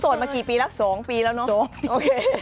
โสดมากี่ปีแล้วสองปีแล้วเนอะโสดโอเค